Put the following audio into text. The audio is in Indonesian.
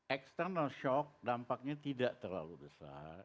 external shock dampaknya tidak terlalu besar